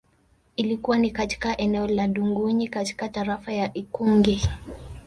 Ilikuwa ni katika eneo la Dungunyi katika tarafa ya Ikungi